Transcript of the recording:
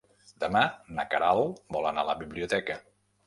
Demà na Queralt vol anar a la biblioteca.